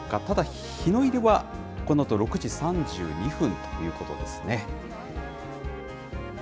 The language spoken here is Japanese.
ただ、日の入りはこのあと６時３２分ということですね。